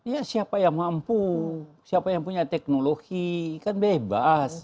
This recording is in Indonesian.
ya siapa yang mampu siapa yang punya teknologi kan bebas